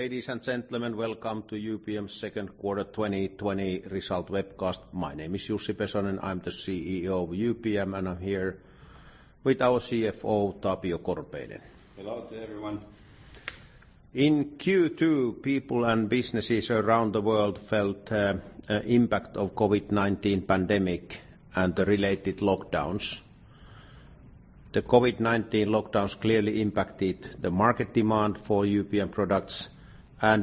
Ladies and gentlemen, welcome to UPM's second quarter 2020 result webcast. My name is Jussi Pesonen. I'm the CEO of UPM, and I'm here with our CFO, Tapio Korpeinen. Hello to everyone. In Q2, people and businesses around the world felt the impact of COVID-19 pandemic and the related lockdowns. The COVID-19 lockdowns clearly impacted the market demand for UPM products, and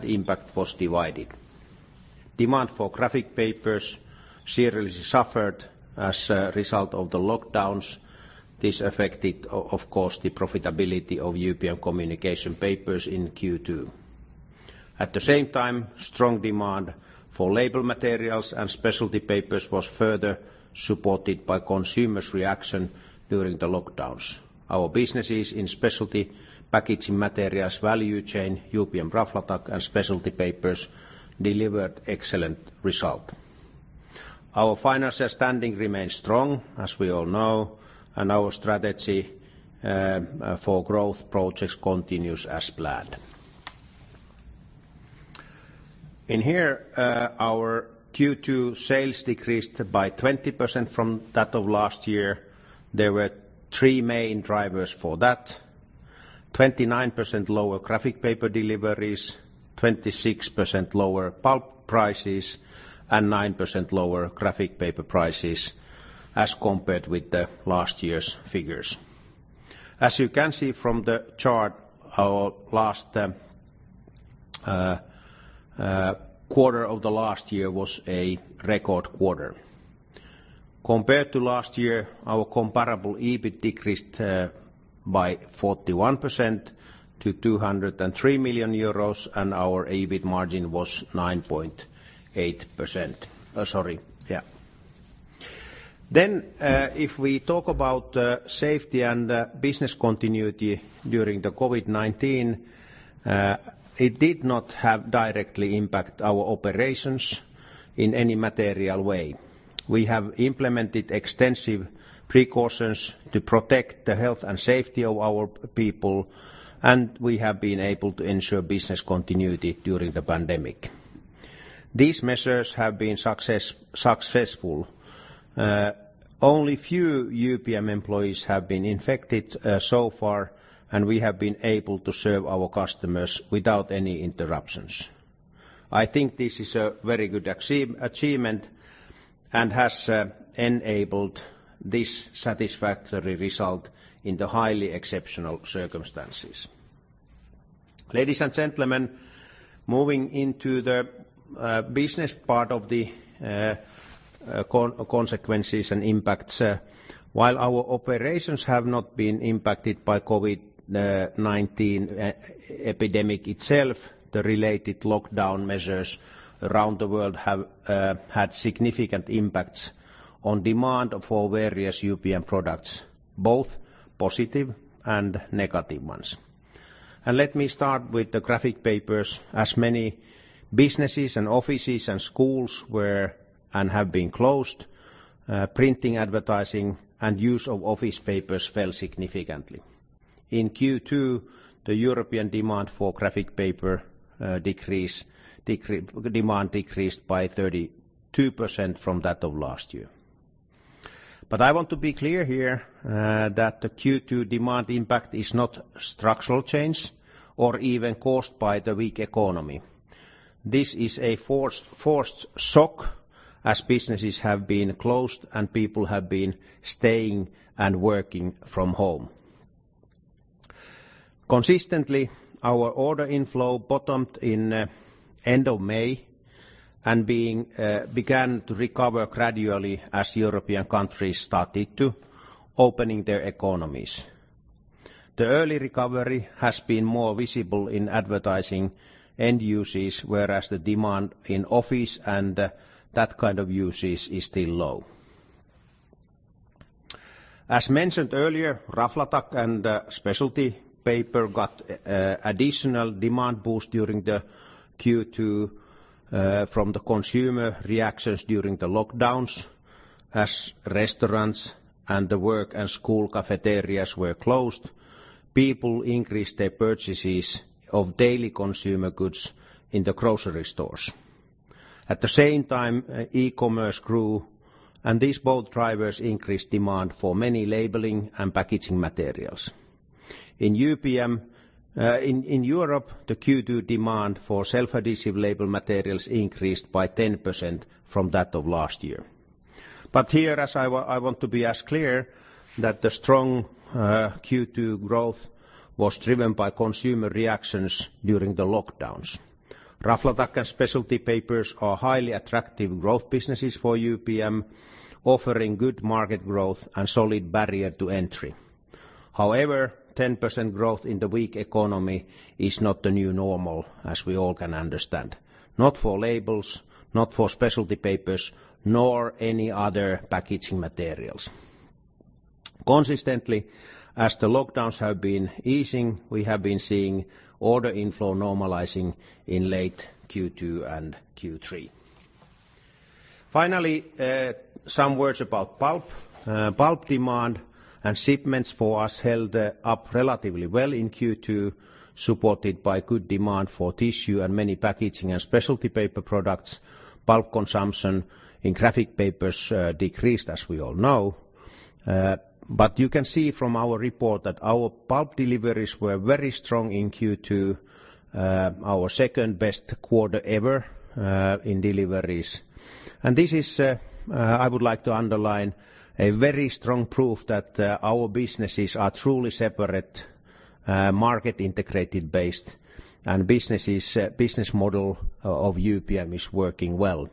impact was divided. Demand for graphic papers seriously suffered as a result of the lockdowns. This affected, of course, the profitability of UPM Communication Papers in Q2. At the same time, strong demand for label materials and Specialty Papers was further supported by consumer reaction during the lockdowns. Our businesses in specialty packaging materials value chain, UPM Raflatac and UPM Specialty Papers delivered excellent result. Our financial standing remains strong, as we all know. Our strategy for growth projects continues as planned. In here, our Q2 sales decreased by 20% from that of last year. There were three main drivers for that: 29% lower graphic paper deliveries, 26% lower pulp prices, and 9% lower graphic paper prices as compared with the last year's figures. As you can see from the chart, our quarter of the last year was a record quarter. Compared to last year, our comparable EBIT decreased by 41% to 203 million euros, and our EBIT margin was 9.8%. Then if we talk about safety and business continuity during the COVID-19, it did not directly impact our operations in any material way. We have implemented extensive precautions to protect the health and safety of our people, and we have been able to ensure business continuity during the pandemic. These measures have been successful. Only few UPM employees have been infected so far, and we have been able to serve our customers without any interruptions. I think this is a very good achievement and has enabled this satisfactory result in the highly exceptional circumstances. Ladies and gentlemen, moving into the business part of the consequences and impacts. While our operations have not been impacted by COVID-19 epidemic itself, the related lockdown measures around the world have had significant impacts on demand for various UPM products, both positive and negative ones. Let me start with the graphic papers. As many businesses, offices, and schools were and have been closed, printing advertising and use of office papers fell significantly. In Q2, the European demand for graphic paper demand decreased by 32% from that of last year. I want to be clear here that the Q2 demand impact is not structural change or even caused by the weak economy. This is a forced shock as businesses have been closed, and people have been staying and working from home. Consistently, our order inflow bottomed in end of May and began to recover gradually as European countries started to opening their economies. The early recovery has been more visible in advertising end uses, whereas the demand in office and that kind of uses is still low. As mentioned earlier, Raflatac and Specialty Paper got additional demand boost during the Q2 from the consumer reactions during the lockdowns. As restaurants and the work and school cafeterias were closed, people increased their purchases of daily consumer goods in the grocery stores. At the same time, e-commerce grew. These both drivers increased demand for many labeling and packaging materials. In Europe, the Q2 demand for self-adhesive label materials increased by 10% from that of last year. Here I want to be as clear that the strong Q2 growth was driven by consumer reactions during the lockdowns. Raflatac and Specialty Papers are highly attractive growth businesses for UPM, offering good market growth and solid barrier to entry. 10% growth in the weak economy is not the new normal, as we all can understand, not for labels, not for Specialty Papers, nor any other packaging materials. Consistently, as the lockdowns have been easing, we have been seeing order inflow normalizing in late Q2 and Q3. Some words about pulp. Pulp demand and shipments for us held up relatively well in Q2, supported by good demand for tissue and many packaging and specialty paper products. Pulp consumption in graphic papers decreased, as we all know. You can see from our report that our pulp deliveries were very strong in Q2, our second-best quarter ever in deliveries. This is, I would like to underline, a very strong proof that our businesses are truly separate, market-integrated based, and business model of UPM is working well.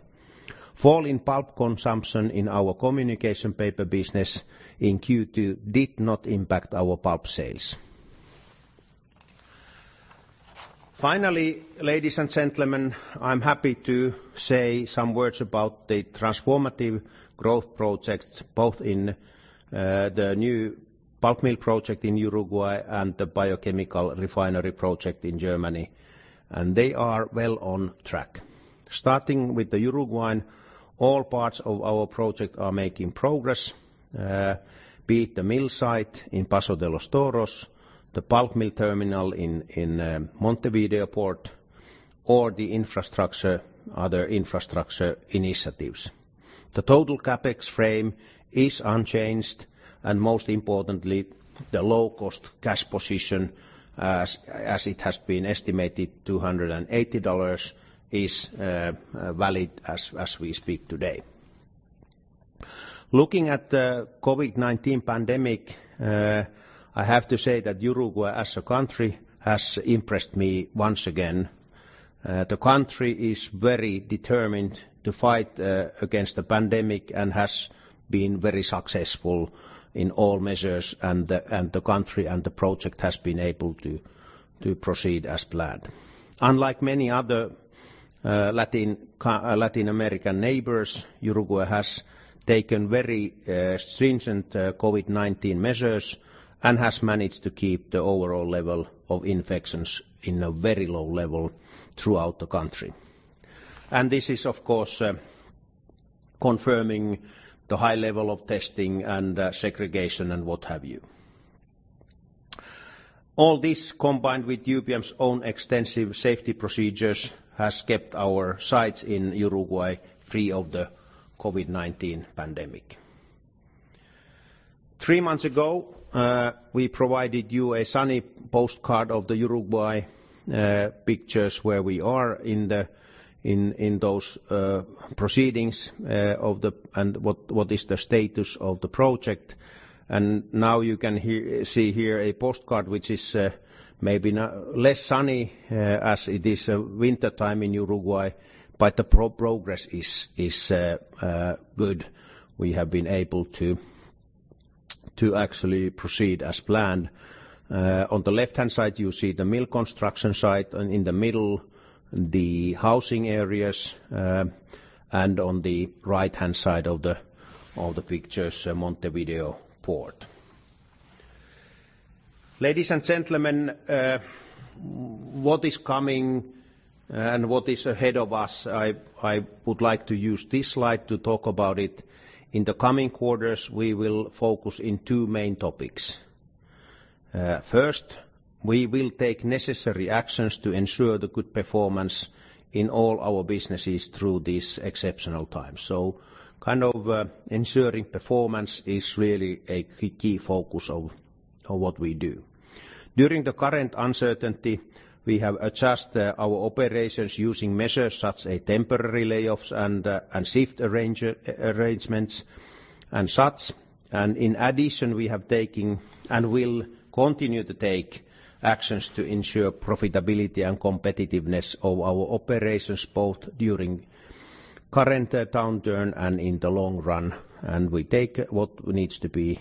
Fall in pulp consumption in our Communication Paper business in Q2 did not impact our pulp sales. Finally, ladies and gentlemen, I am happy to say some words about the transformative growth projects, both in the new pulp mill project in Uruguay and the biochemical refinery project in Germany. They are well on track. Starting with Uruguay, all parts of our project are making progress. Be it the mill site in Paso de los Toros, the pulp mill terminal in Montevideo port, or the other infrastructure initiatives. The total CapEx frame is unchanged, and most importantly, the low-cost cash position, as it has been estimated, $280, is valid as we speak today. Looking at the COVID-19 pandemic, I have to say that Uruguay as a country has impressed me once again. The country is very determined to fight against the pandemic and has been very successful in all measures, and the country and the project has been able to proceed as planned. Unlike many other Latin American neighbors, Uruguay has taken very stringent COVID-19 measures and has managed to keep the overall level of infections in a very low level throughout the country. This is, of course, confirming the high level of testing and segregation and what have you. All this, combined with UPM's own extensive safety procedures, has kept our sites in Uruguay free of the COVID-19 pandemic. Three months ago, we provided you a sunny postcard of the Uruguay pictures where we are in those proceedings, and what is the status of the project. Now you can see here a postcard, which is maybe less sunny as it is wintertime in Uruguay. The progress is good. We have been able to actually proceed as planned. On the left-hand side, you see the mill construction site. In the middle, the housing areas. On the right-hand side of the pictures, Montevideo port. Ladies and gentlemen, what is coming and what is ahead of us, I would like to use this slide to talk about it. In the coming quarters, we will focus in two main topics. First, we will take necessary actions to ensure the good performance in all our businesses through these exceptional times. Ensuring performance is really a key focus of what we do. During the current uncertainty, we have adjusted our operations using measures such as temporary layoffs and shift arrangements, and such. In addition, we have taken and will continue to take actions to ensure profitability and competitiveness of our operations, both during current downturn and in the long run. We take what needs to be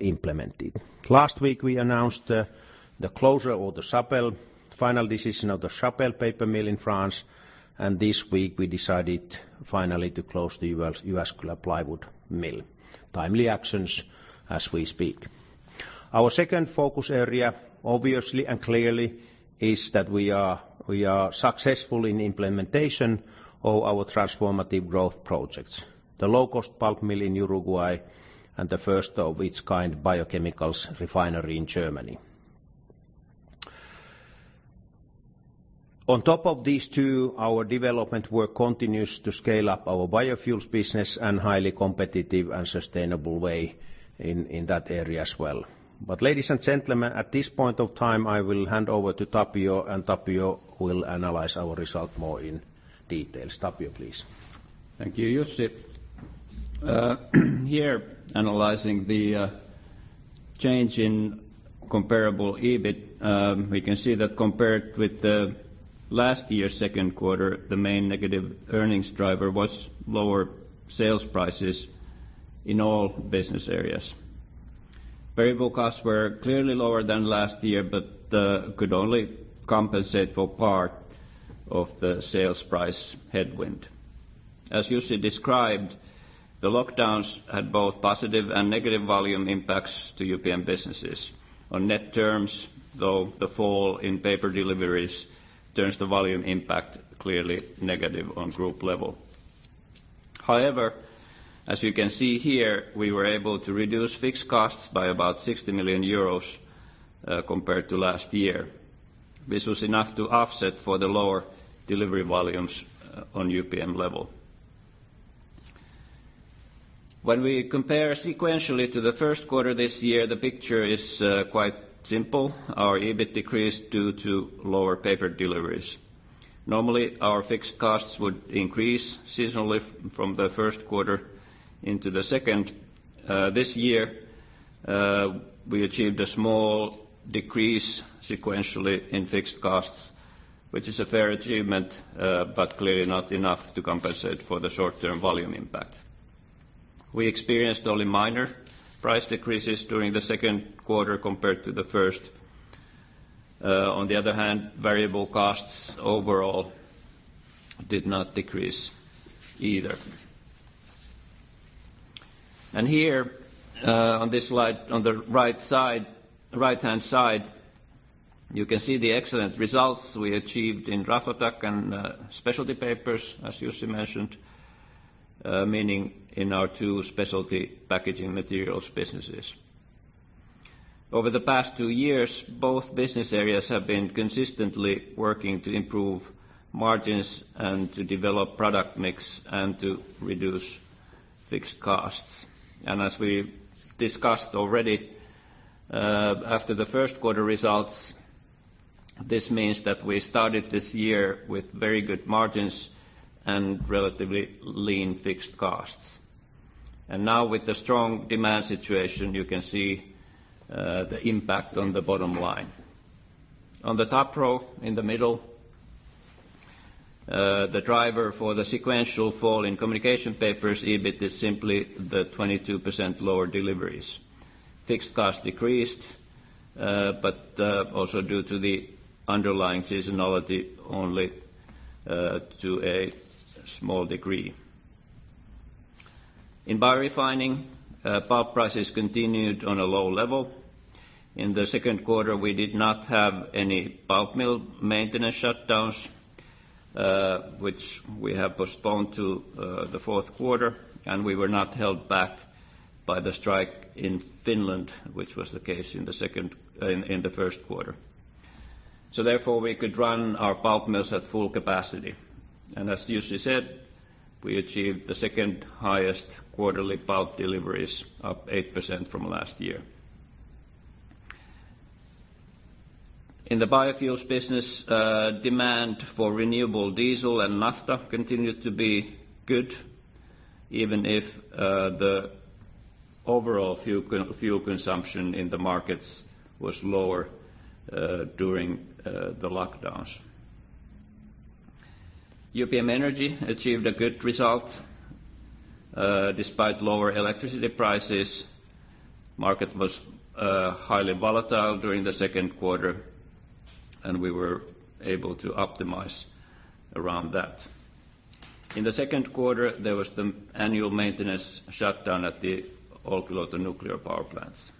implemented. Last week, we announced the closure of the Chapelle, final decision of the Chapelle paper mill in France, and this week we decided finally to close the U.S. plywood mill. Timely actions as we speak. Our second focus area, obviously and clearly, is that we are successful in implementation of our transformative growth projects, the low-cost pulp mill in Uruguay and the first-of-its-kind biochemicals refinery in Germany. On top of these two, our development work continues to scale up our biofuels business in highly competitive and sustainable way in that area as well. Ladies and gentlemen, at this point of time, I will hand over to Tapio, and Tapio will analyze our result more in detail. Tapio, please. Thank you, Jussi. Here, analyzing the change in comparable EBIT, we can see that compared with the last year's second quarter, the main negative earnings driver was lower sales prices in all business areas. Variable costs were clearly lower than last year, but could only compensate for part of the sales price headwind. As Jussi described the lockdowns had both positive and negative volume impacts to UPM businesses. On net terms, though, the fall in paper deliveries turns the volume impact clearly negative on group level. However, as you can see here, we were able to reduce fixed costs by about 60 million euros compared to last year. This was enough to offset for the lower delivery volumes on UPM level. When we compare sequentially to the first quarter this year, the picture is quite simple. Our EBIT decreased due to lower paper deliveries. Normally, our fixed costs would increase seasonally from the first quarter into the second. This year, we achieved a small decrease sequentially in fixed costs, which is a fair achievement, but clearly not enough to compensate for the short-term volume impact. We experienced only minor price decreases during the second quarter compared to the first. Variable costs overall did not decrease either. Here, on this slide on the right-hand side, you can see the excellent results we achieved in Raflatac and Specialty Papers, as Jussi mentioned, meaning in our two specialty packaging materials businesses. Over the past two years, both business areas have been consistently working to improve margins and to develop product mix and to reduce fixed costs. As we discussed already after the first quarter results, this means that we started this year with very good margins and relatively lean fixed costs. Now with the strong demand situation, you can see the impact on the bottom line. On the top row in the middle, the driver for the sequential fall in Communication Papers' EBIT is simply the 22% lower deliveries. Fixed costs decreased, also due to the underlying seasonality only to a small degree. In Biorefining, pulp prices continued on a low level. In the second quarter, we did not have any pulp mill maintenance shutdowns, which we have postponed to the fourth quarter, and we were not held back by the strike in Finland, which was the case in the first quarter. Therefore, we could run our pulp mills at full capacity. As Jussi said, we achieved the second highest quarterly pulp deliveries, up 8% from last year. In the biofuels business, demand for renewable diesel and naphtha continued to be good, even if the overall fuel consumption in the markets was lower during the lockdowns. UPM Energy achieved a good result despite lower electricity prices. Market was highly volatile during the second quarter, and we were able to optimize around that. In the second quarter, there was the annual maintenance shutdown at the Olkiluoto Nuclear Power Plants.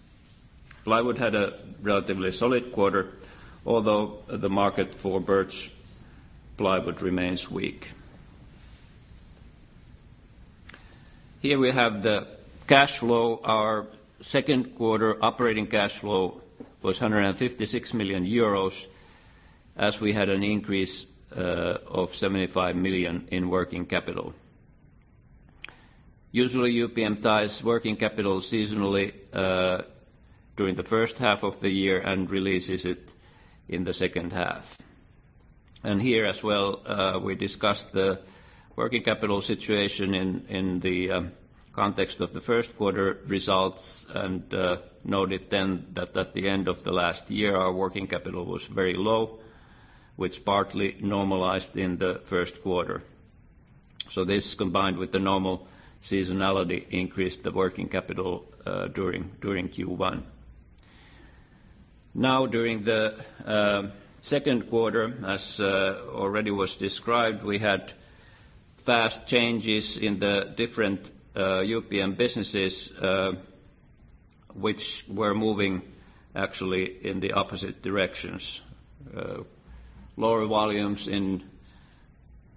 Plywood had a relatively solid quarter, although the market for birch plywood remains weak. Here we have the cash flow. Our second quarter operating cash flow was 156 million euros as we had an increase of 75 million in working capital. Usually, UPM ties working capital seasonally during the first half of the year and releases it in the second half. Here as well we discussed the working capital situation in the context of the first quarter results and noted then that at the end of the last year, our working capital was very low, which partly normalized in the first quarter. This, combined with the normal seasonality, increased the working capital during Q1. During the second quarter, as already was described, we had fast changes in the different UPM businesses, which were moving actually in the opposite directions. Lower volumes in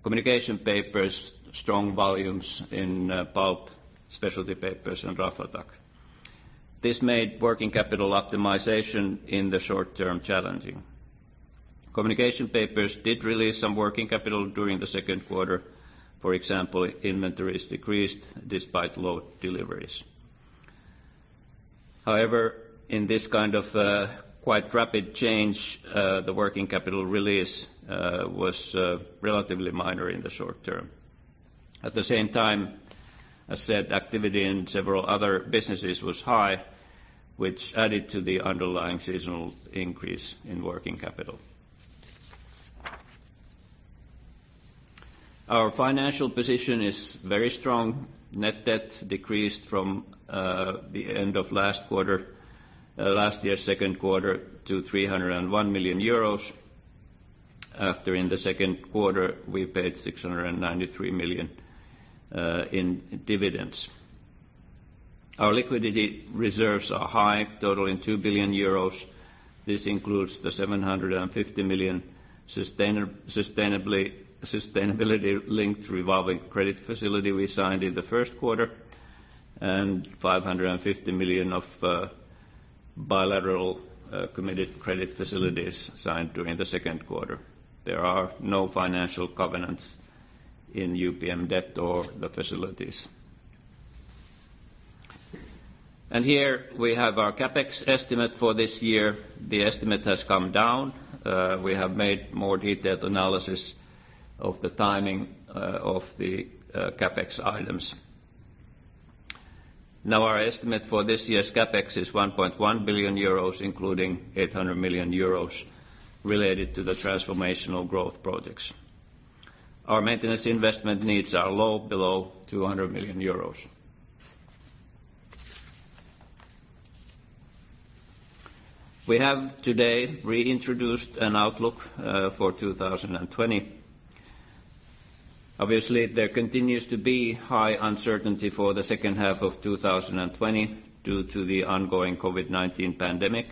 Communication Papers, strong volumes in Pulp, Specialty Papers, and Raflatac. This made working capital optimization in the short term challenging. Communication Papers did release some working capital during the second quarter. For example, inventories decreased despite low deliveries. However, in this kind of quite rapid change, the working capital release was relatively minor in the short term. At the same time, as said, activity in several other businesses was high, which added to the underlying seasonal increase in working capital. Our financial position is very strong. Net debt decreased from the end of last year, second quarter, to 301 million euros. After in the second quarter, we paid 693 million in dividends. Our liquidity reserves are high, totaling 2 billion euros. This includes the 750 million sustainability-linked revolving credit facility we signed in the first quarter and 550 million of bilateral committed credit facilities signed during the second quarter. There are no financial covenants in UPM debt or the facilities. Here we have our CapEx estimate for this year. The estimate has come down. We have made more detailed analysis of the timing of the CapEx items. Now our estimate for this year's CapEx is 1.1 billion euros, including 800 million euros related to the transformational growth projects. Our maintenance investment needs are low, below 200 million euros. We have today reintroduced an outlook for 2020. Obviously, there continues to be high uncertainty for the second half of 2020 due to the ongoing COVID-19 pandemic,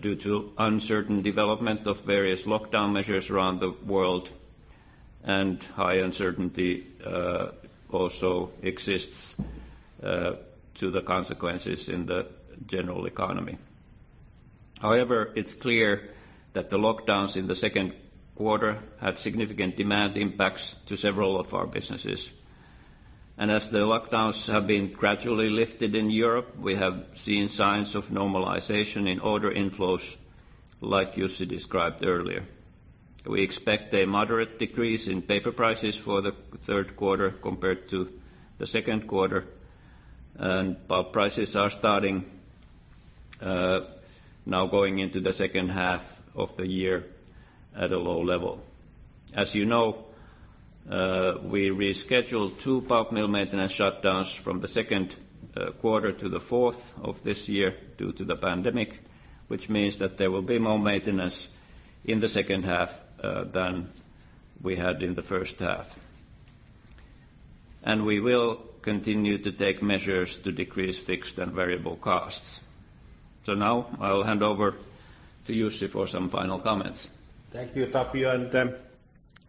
due to uncertain development of various lockdown measures around the world, and high uncertainty also exists to the consequences in the general economy. However, it's clear that the lockdowns in the second quarter had significant demand impacts to several of our businesses. As the lockdowns have been gradually lifted in Europe, we have seen signs of normalization in order inflows, like Jussi described earlier. We expect a moderate decrease in paper prices for the third quarter compared to the second quarter. Pulp prices are starting now going into the second half of the year at a low level. As you know, we rescheduled two pulp mill maintenance shutdowns from the second quarter to the fourth of this year due to the pandemic, which means that there will be more maintenance in the second half than we had in the first half. We will continue to take measures to decrease fixed and variable costs. Now I will hand over to Jussi for some final comments. Thank you, Tapio.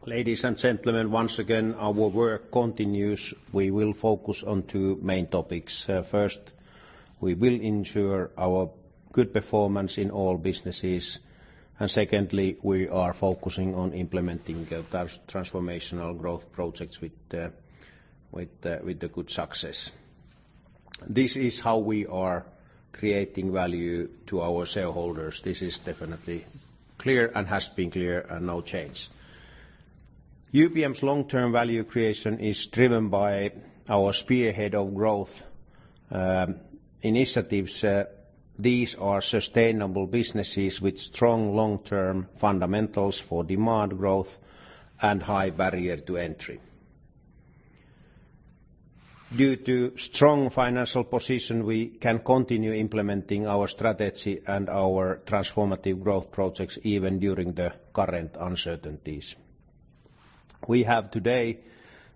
Ladies and gentlemen, once again, our work continues. We will focus on two main topics. First, we will ensure our good performance in all businesses, and secondly, we are focusing on implementing transformational growth projects with the good success. This is how we are creating value to our shareholders. This is definitely clear and has been clear and no change. UPM's long-term value creation is driven by our spearhead of growth initiatives. These are sustainable businesses with strong long-term fundamentals for demand growth and high barrier to entry. Due to strong financial position, we can continue implementing our strategy and our transformative growth projects even during the current uncertainties. We have today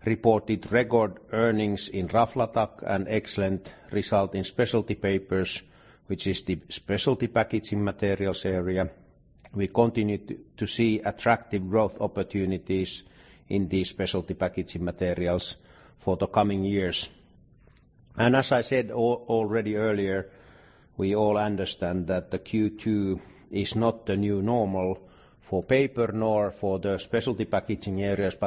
reported record earnings in Raflatac and excellent result in Specialty Papers, which is the specialty packaging materials area. We continue to see attractive growth opportunities in these specialty packaging materials for the coming years. As I said already earlier, we all understand that the Q2 is not the new normal for paper, nor for the specialty packaging areas.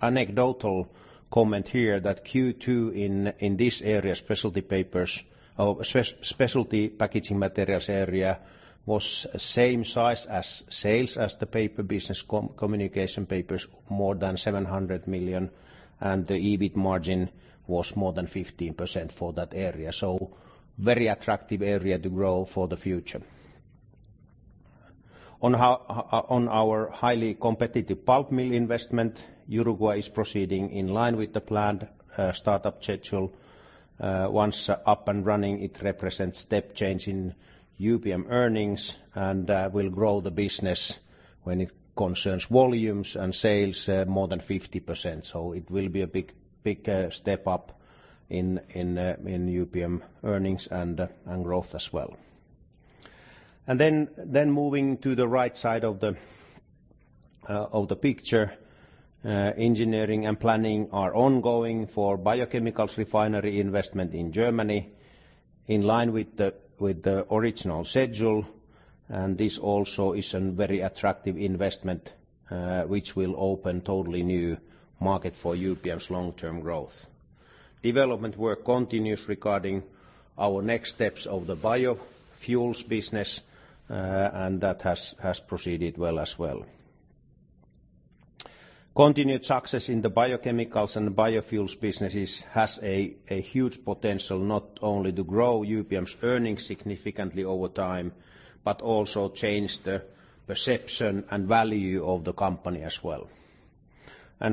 Anecdotal comment here that Q2 in this area, Specialty Papers or specialty packaging materials area, was same size as sales as the UPM Communication Papers business, more than 700 million, and the EBIT margin was more than 15% for that area. Very attractive area to grow for the future. On our highly competitive pulp mill investment, Uruguay is proceeding in line with the planned startup schedule. Once up and running, it represents step change in UPM earnings and will grow the business when it concerns volumes and sales more than 50% so it will be a big step up in UPM earnings and growth as well. Then moving to the right side of the picture, engineering and planning are ongoing for biochemicals refinery investment in Germany in line with the original schedule and this also is a very attractive investment, which will open totally new market for UPM's long-term growth. Development work continues regarding our next steps of the biofuels business, that has proceeded well as well. Continued success in the biochemicals and biofuels businesses has a huge potential, not only to grow UPM's earnings significantly over time, but also change the perception and value of the company as well.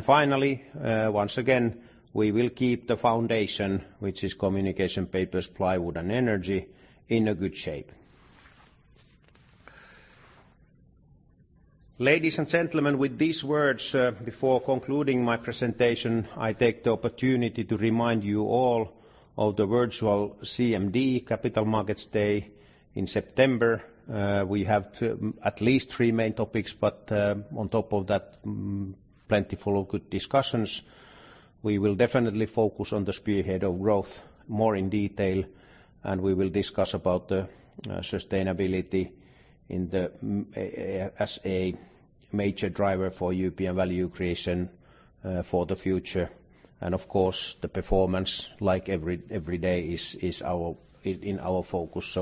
Finally, once again, we will keep the foundation, which is Communication Papers, Plywood, and Energy, in a good shape. Ladies and gentlemen, with these words, before concluding my presentation, I take the opportunity to remind you all of the virtual CMD, Capital Markets Day in September. We have at least three main topics, on top of that, plentiful of good discussions. We will definitely focus on the spearhead of growth more in detail, and we will discuss about the sustainability as a major driver for UPM value creation for the future. Of course, the performance, like every day, is in our focus.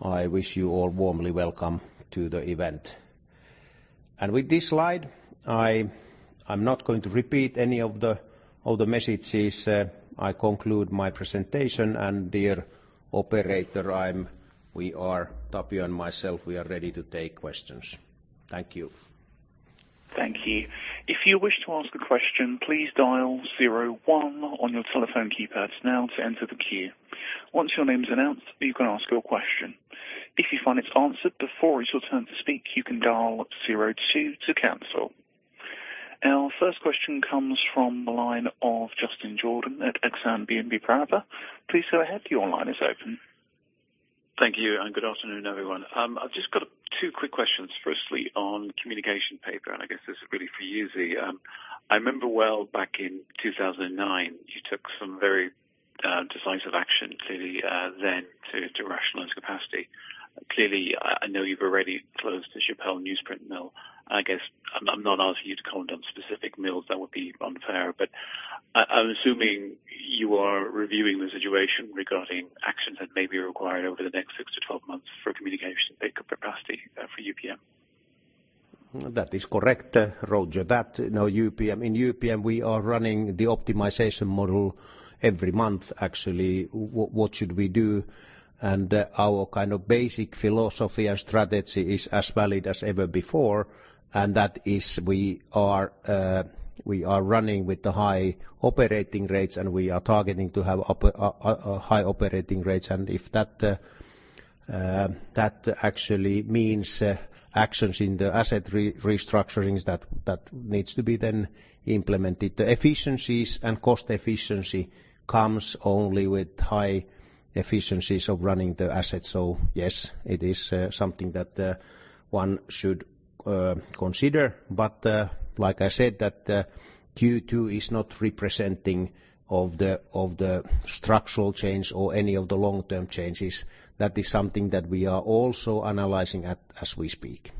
I wish you all warmly welcome to the event. With this slide, I'm not going to repeat any of the messages. I conclude my presentation. Dear operator, Tapio and myself, we are ready to take questions. Thank you. Thank you. If you wish to ask a question, please dial zero one on your telephone keypads now to enter the queue. Once your name's announced, you can ask your question. If you find it's answered before it's your turn to speak, you can dial zero two to cancel. Our first question comes from the line of Justin Jordan at Exane BNP Paribas. Please go ahead. Your line is open. Thank you. Good afternoon, everyone. I've just got two quick questions. Firstly, on Communication Paper. I guess this is really for you, Jussi. I remember well back in 2009, you took some very decisive action clearly then to rationalize capacity. Clearly, I know you've already closed the Chapelle newsprint mill. I'm not asking you to comment on specific mills. That would be unfair. I'm assuming you are reviewing the situation regarding actions that may be required over the next 6-12 months for Communication Paper capacity for UPM. That is correct. Roger that. In UPM, we are running the optimization model every month, actually. What should we do? Our basic philosophy and strategy is as valid as ever before, and that is we are running with the high operating rates, and we are targeting to have high operating rates. If that actually means actions in the asset restructurings, that needs to be then implemented. The efficiencies and cost efficiency comes only with high efficiencies of running the asset. Yes, it is something that one should consider. Like I said, that Q2 is not representing of the structural change or any of the long-term changes. That is something that we are also analyzing as we speak.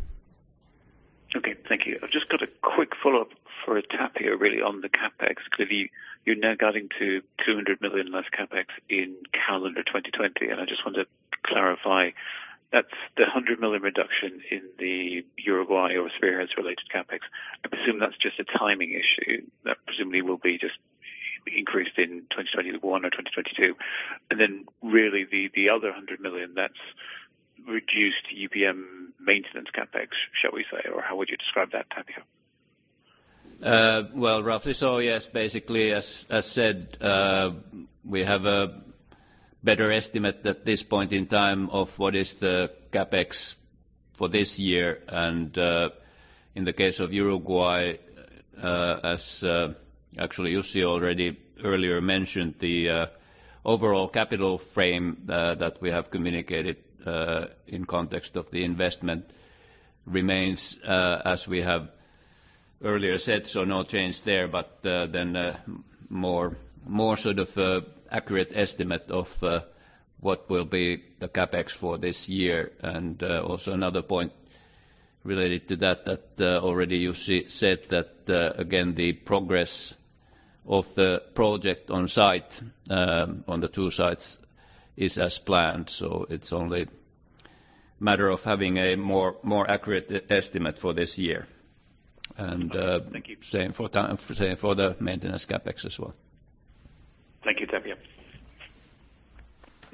Okay, thank you. I've just got a quick follow-up for Tapio, really on the CapEx. Clearly, you're now guiding to 200 million less CapEx in calendar 2020. I just want to clarify, that's the 100 million reduction in the Uruguay or experience-related CapEx. I presume that's just a timing issue that presumably will be just increased in 2021 or 2022. Really the other 100 million, that's reduced UPM maintenance CapEx, shall we say? Or how would you describe that, Tapio? Well, roughly so. Yes. Basically, as said, we have a better estimate at this point in time of what is the CapEx for this year. In the case of Uruguay, as actually Jussi already earlier mentioned, the overall capital frame that we have communicated in context of the investment remains as we have earlier said, so no change there but then a more sort of accurate estimate of what will be the CapEx for this year. Also another point related to that already Jussi said that again, the progress of the project on the two sites is as planned. It's only matter of having a more accurate estimate for this year and- Thank you. ...same for the maintenance CapEx as well. Thank you, Tapio.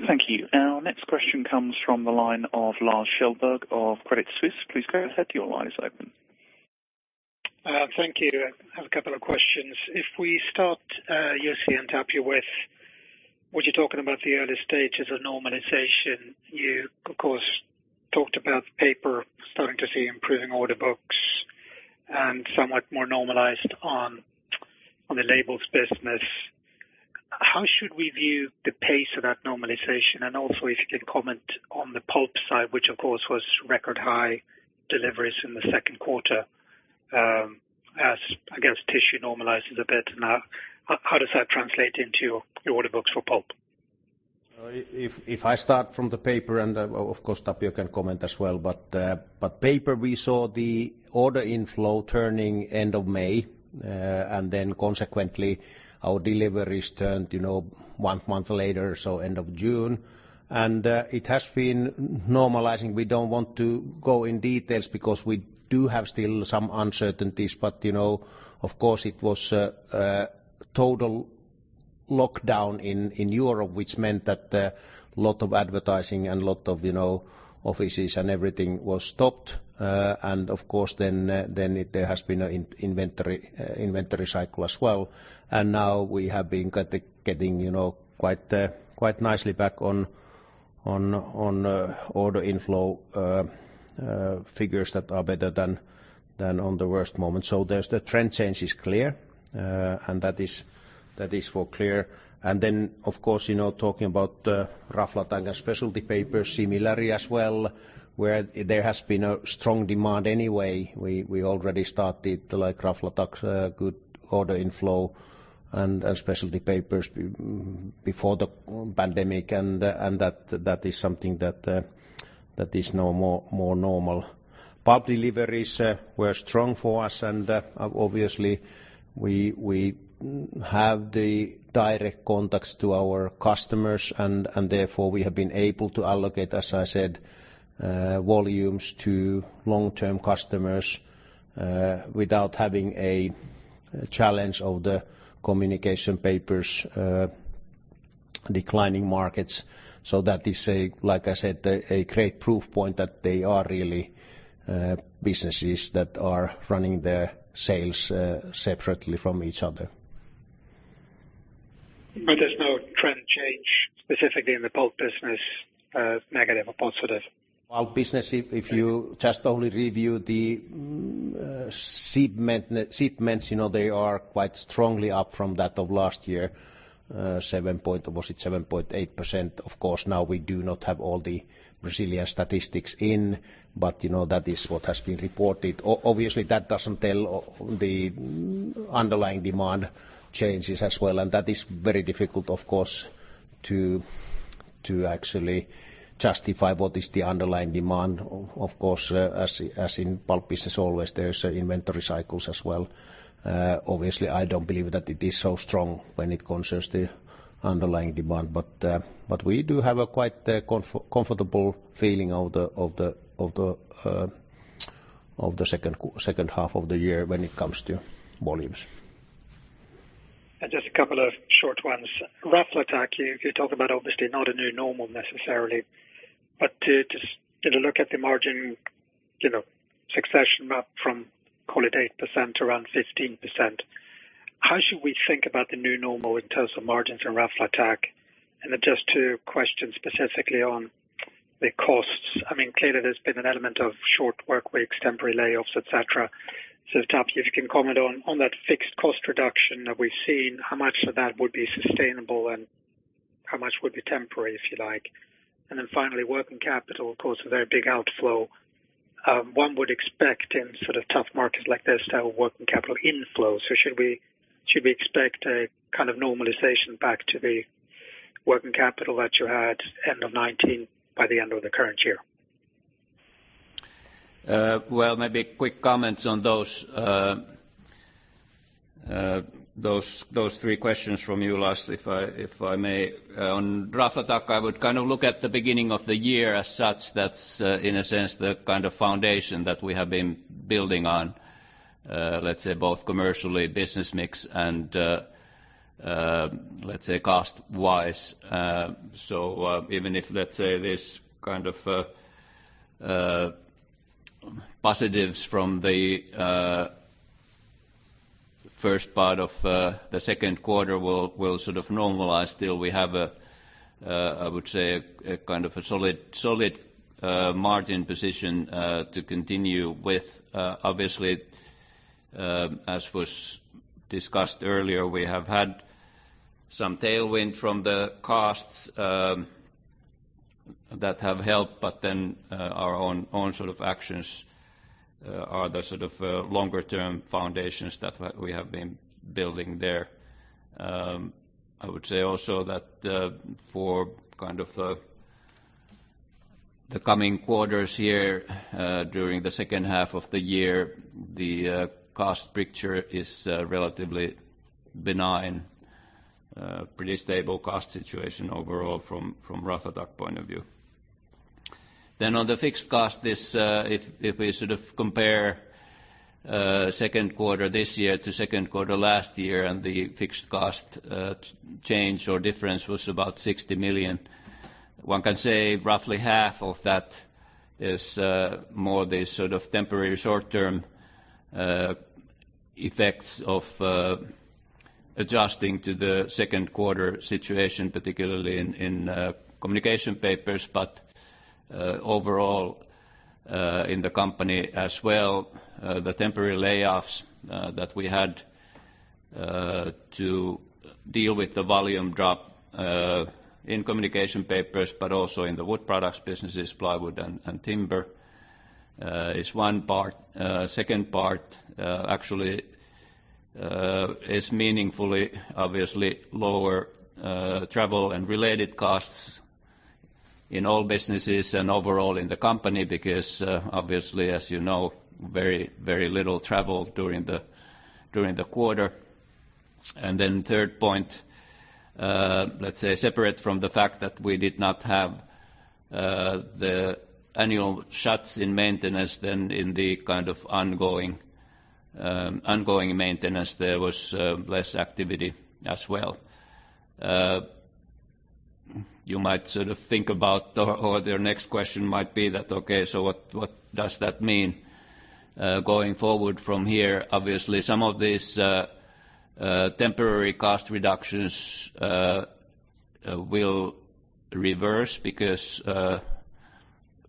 Thank you. Our next question comes from the line of Lars Kjellberg of Credit Suisse. Please go ahead. Your line is open. Thank you. I have a couple of questions. If we start, Jussi and Tapio, with what you're talking about the early stages of normalization. You, of course, talked about paper, starting to see improving order books and somewhat more normalized on the labels business. How should we view the pace of that normalization? Also if you can comment on the pulp side, which of course was record high deliveries in the second quarter, as I guess tissue normalizes a bit now. How does that translate into your order books for pulp? If I start from the paper, of course Tapio can comment as well, but paper, we saw the order inflow turning end of May. Then consequently our deliveries turned one month later, so end of June and it has been normalizing. We don't want to go in details because we do have still some uncertainties. Of course, it was a total lockdown in Europe, which meant that a lot of advertising and a lot of offices and everything was stopped. Of course, then there has been an inventory cycle as well and now we have been getting quite nicely back on order inflow figures that are better than on the worst moment. The trend change is clear, and that is for clear. Then, of course, talking about Raflatac and Specialty Papers similarly as well, where there has been a strong demand anyway. We already started the Raflatac good order inflow and Specialty Papers before the pandemic and that is something that is more normal. Pulp deliveries were strong for us, and obviously we have the direct contacts to our customers. Therefore we have been able to allocate, as I said, volumes to long-term customers without having a challenge of the Communication Papers declining markets. That is, like I said, a great proof point that they are really businesses that are running their sales separately from each other. There's no trend change specifically in the pulp business, negative or positive? Pulp business, if you just only review the shipments, they are quite strongly up from that of last year. Was it 7.8%? Of course, now we do not have all the Brazilian statistics in, but that is what has been reported. That doesn't tell the underlying demand changes as well, and that is very difficult, of course, to actually justify what is the underlying demand. Of course, as in pulp business always, there's inventory cycles as well. I don't believe that it is so strong when it concerns the underlying demand but we do have a quite comfortable feeling of the second half of the year when it comes to volumes. Just a couple of short ones. Raflatac, you talk about obviously not a new normal necessarily, but to look at the margin succession up from, call it 8% around 15%. How should we think about the new normal in terms of margins in Raflatac? Just two questions specifically on the costs. Clearly there's been an element of short work weeks, temporary layoffs, et cetera. Tapio, if you can comment on that fixed cost reduction that we've seen, how much of that would be sustainable and how much would be temporary, if you like? Finally, working capital, of course, a very big outflow. One would expect in tough markets like this to have a working capital inflow. Should we expect a kind of normalization back to the working capital that you had end of 2019 by the end of the current year? Well, maybe quick comments on those three questions from you last, if I may. On Raflatac, I would look at the beginning of the year as such, that's in a sense, the kind of foundation that we have been building on, let's say both commercially, business mix, and let's say cost-wise. Even if, let's say this kind of positives from the first part of the second quarter will sort of normalize, still we have a, I would say, a kind of a solid margin position to continue with. Obviously, as was discussed earlier, we have had some tailwind from the costs that have helped, but then our own sort of actions are the sort of longer-term foundations that we have been building there. I would say also that for the coming quarters here during the second half of the year, the cost picture is relatively benign. Pretty stable cost situation overall from Raflatac point of view. Then on the fixed cost, if we compare second quarter this year to second quarter last year and the fixed cost change or difference was about 60 million. One can say roughly half of that is more the sort of temporary short-term effects of adjusting to the second quarter situation, particularly in Communication Papers. Overall, in the company as well, the temporary layoffs that we had to deal with the volume drop in UPM Communication Papers, but also in the wood products businesses, plywood and timber is one part. Second part actually is meaningfully, obviously lower travel and related costs in all businesses and overall in the company because obviously, as you know, very little travel during the quarter. Third point, let's say separate from the fact that we did not have the annual shuts in maintenance then in the kind of ongoing maintenance, there was less activity as well. You might think about or their next question might be that, okay, what does that mean going forward from here? Obviously, some of these temporary cost reductions will reverse because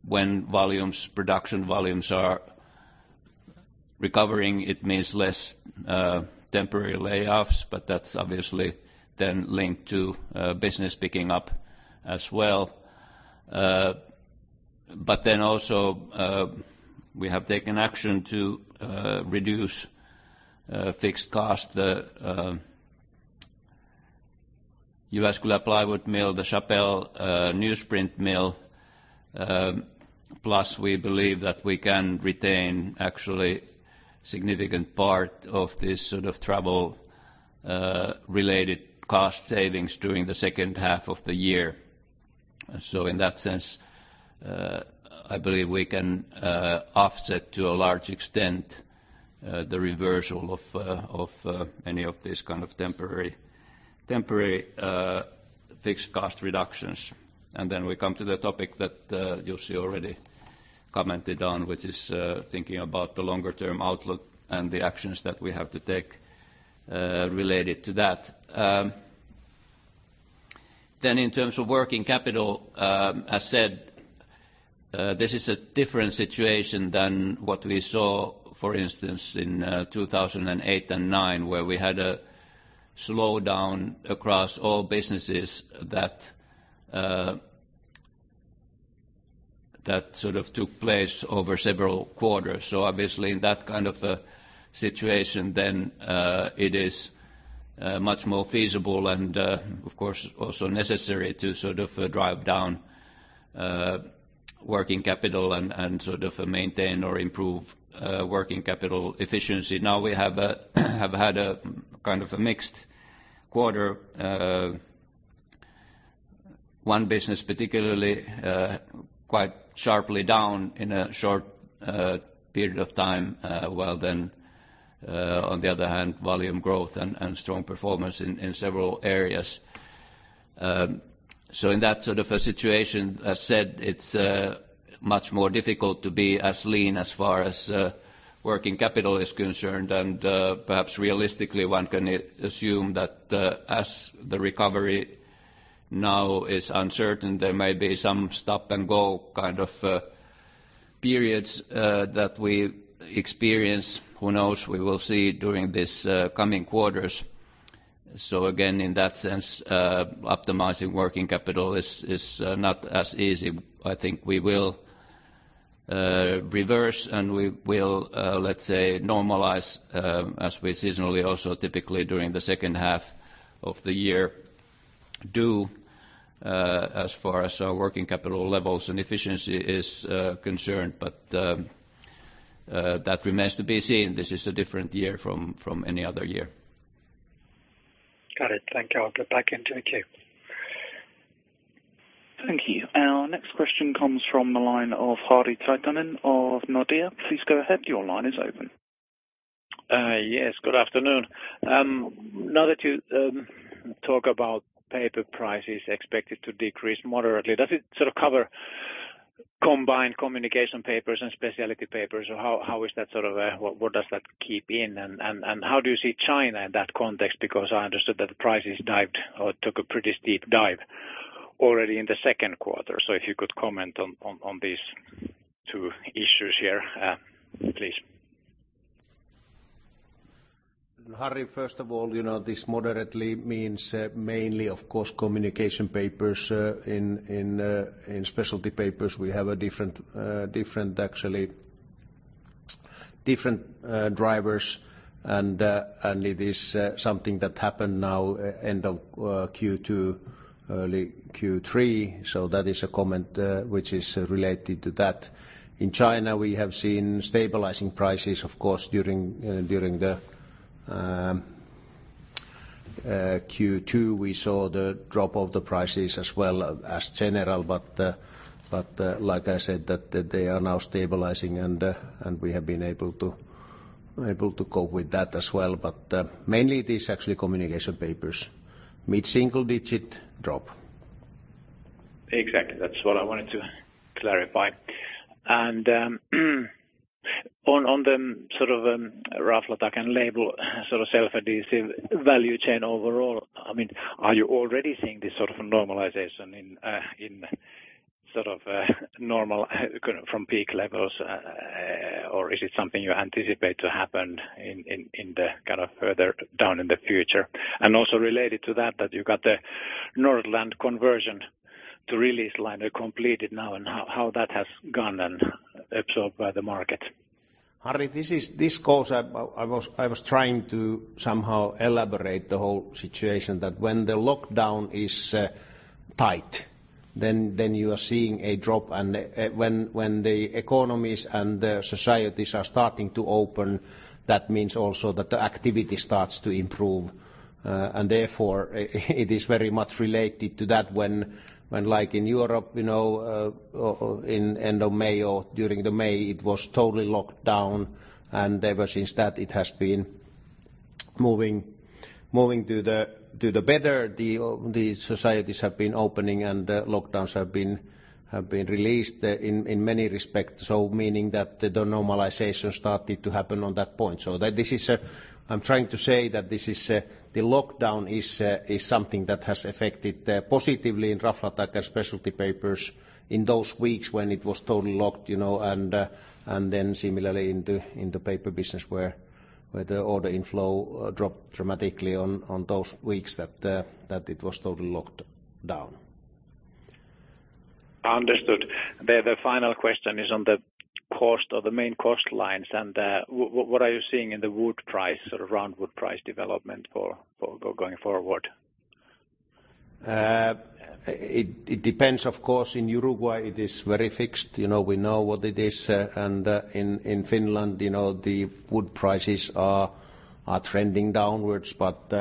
when production volumes are recovering, it means less temporary layoffs, that's obviously then linked to business picking up as well. But then also we have taken action to reduce fixed cost, the UPM plywood mill, the Chapelle newsprint mill, plus we believe that we can retain actually significant part of this travel-related cost savings during the second half of the year. In that sense, I believe we can offset to a large extent the reversal of any of these kind of temporary fixed cost reductions. We come to the topic that Jussi already commented on, which is thinking about the longer-term outlook and the actions that we have to take related to that. In terms of working capital, as said this is a different situation than what we saw, for instance, in 2008 and 2009, where we had a slowdown across all businesses that took place over several quarters. Obviously in that kind of a situation, then it is much more feasible and, of course, also necessary to drive down working capital and maintain or improve working capital efficiency. Now we have had a kind of a mixed quarter. One business particularly quite sharply down in a short period of time while then on the other hand, volume growth and strong performance in several areas. In that sort of a situation, as said, it's much more difficult to be as lean as far as working capital is concerned and perhaps realistically one can assume that as the recovery now is uncertain, there may be some stop-and-go kind of periods that we experience. Who knows? We will see during these coming quarters. Again, in that sense, optimizing working capital is not as easy. I think we will reverse and we will, let's say, normalize as we seasonally also typically during the second half of the year do as far as our working capital levels and efficiency is concerned. That remains to be seen. This is a different year from any other year. Got it. Thank you. I'll get back into the queue. Thank you. And our next question comes from the line of Harri Taittonen of Nordea. Please go ahead. Your line is open. Yes, good afternoon. Now that you talk about paper prices expected to decrease moderately, does it sort of cover combined Communication Papers and Specialty Papers, or what does that keep in, and how do you see China in that context? I understood that the prices took a pretty steep dive already in the second quarter, so if you could comment on these two issues here, please. Harri, first of all, this moderately means mainly, of course, Communication Papers. In Specialty Papers, we have different drivers, and it is something that happened now end of Q2, early Q3, so that is a comment which is related to that. In China, we have seen stabilizing prices, of course, during the Q2. We saw the drop of the prices as well as general, but like I said, that they are now stabilizing, and we have been able to cope with that as well. Mainly it is actually Communication Papers. Mid-single-digit drop. Exactly. That's what I wanted to clarify. On the sort of Raflatac and label sort of self-adhesive value chain overall, are you already seeing this sort of normalization in sort of normal from peak levels or is it something you anticipate to happen further down in the future? Also related to that you got the Nordland conversion to release liner completed now, and how that has gone and absorbed by the market? Harri, this call I was trying to somehow elaborate the whole situation that when the lockdown is tight, then you are seeing a drop, and when the economies and the societies are starting to open, that means also that the activity starts to improve and therefore, it is very much related to that when in Europe, in end of May or during May, it was totally locked down. Ever since that, it has been moving to the better, the societies have been opening and the lockdowns have been released in many respects, so meaning that the normalization started to happen on that point. I'm trying to say that the lockdown is something that has affected positively in Raflatac and Specialty Papers in those weeks when it was totally locked, and then similarly in the paper business where the order inflow dropped dramatically on those weeks that it was totally locked down. Understood. The final question is on the cost of the main cost lines and what are you seeing in the round wood price development going forward? It depends, of course. In Uruguay it is very fixed. We know what it is. In Finland the wood prices are trending downwards, but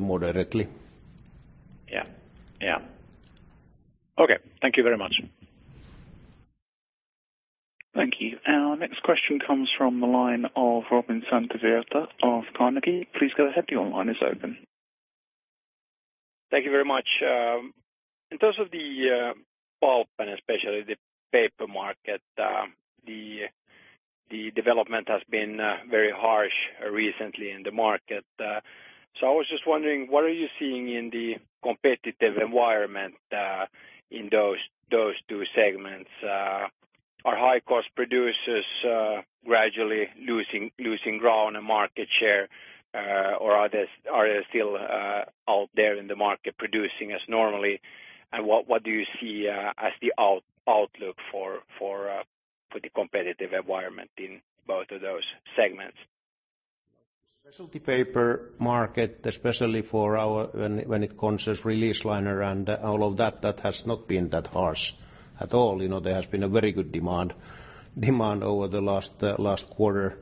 moderately. Yeah. Okay. Thank you very much. Thank you. Our next question comes from the line of Robin Santavirta of Carnegie. Please go ahead, your line is open. Thank you very much. In terms of the pulp and especially the paper market, the development has been very harsh recently in the market. I was just wondering, what are you seeing in the competitive environment in those two segments? Are high-cost producers gradually losing ground and market share, or are they still out there in the market producing as normally? What do you see as the outlook for the competitive environment in both of those segments? Specialty paper market, especially when it concerns release liner and all of that, has not been that harsh at all. There has been a very good demand over the last quarter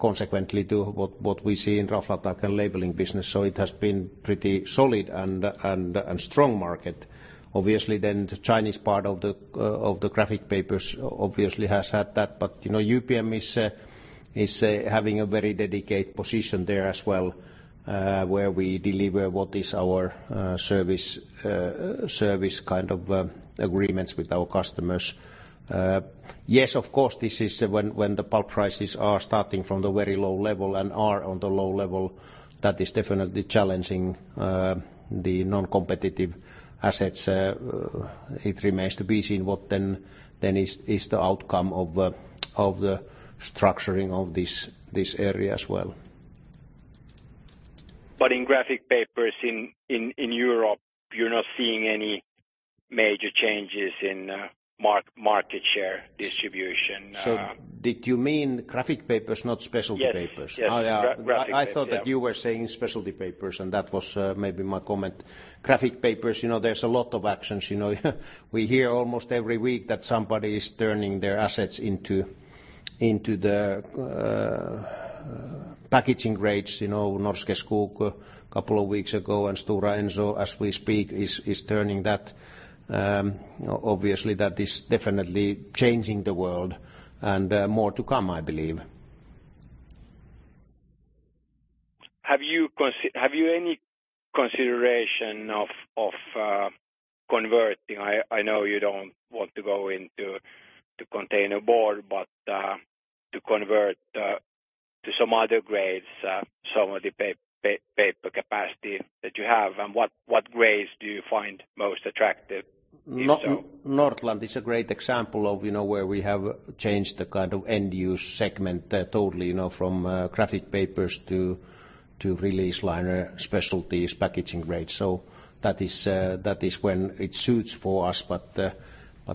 consequently to what we see in Raflatac and labeling business. It has been pretty solid and a strong market. Obviously, the Chinese part of the graphic papers obviously has had that, UPM is having a very dedicated position there as well, where we deliver what is our service kind of agreements with our customers. Yes, of course, when the pulp prices are starting from the very low level and are on the low level, that is definitely challenging the non-competitive assets. It remains to be seen what is the outcome of the structuring of this area as well. But in graphic papers in Europe, you're not seeing any major changes in market share distribution? Did you mean graphic papers, not Specialty Papers? Yes. Graphic papers, yeah. I thought that you were saying Specialty Papers and that was maybe my comment. Graphic papers, there's a lot of actions. We hear almost every week that somebody is turning their assets into the packaging grades. Norske Skog a couple of weeks ago, and Stora Enso as we speak, is turning that. Obviously, that is definitely changing the world, and more to come, I believe. Have you any consideration of converting? I know you don't want to go into containerboard, but to convert to some other grades some of the paper capacity that you have, and what grades do you find most attractive, if so? Nordland is a great example of where we have changed the kind of end-use segment totally from graphic papers to release liner specialties packaging grades. That is when it suits for us.